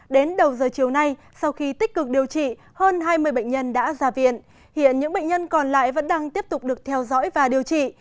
đến đầu giờ chiều nay sau khi tích cực điều trị hơn hai mươi bệnh nhân đã ra viện hiện những bệnh nhân còn lại vẫn đang tiếp tục được theo dõi và điều trị